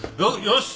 よし。